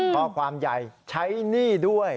ข้อความใหญ่ใช้หนี้ด้วย